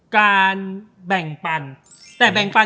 การแบ่งปั่น